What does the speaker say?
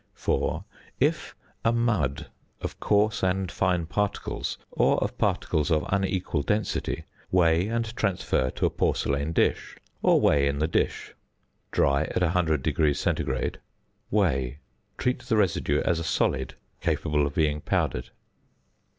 4. If a mud of coarse and fine particles, or of particles of unequal density: weigh and transfer to a porcelain dish, or weigh in the dish. Dry at 100° C., weigh. Treat the residue as a solid capable of being powdered.